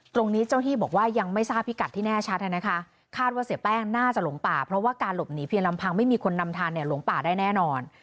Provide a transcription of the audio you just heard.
ตรงนี้เจ้าที่บอกว่ายังไม่ทราบพิกัดที่แน่ชัดนะคะคาดว่าเสียแป้งน่าจะหลงป่าเพราะว่าการหลบหนีเพียงลำพังไม่มีคนนำทานเนี่ยหลงป่าได้แน่นอน